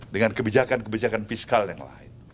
dengan kebijakan kebijakan fiskal yang lain